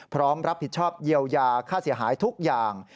พร้อมรับผิดชอบเยียวยาค่าเสียหายทุกอย่าง